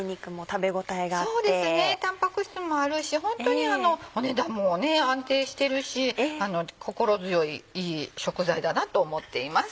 タンパク質もあるしホントにお値段も安定してるし心強いいい食材だなと思っています。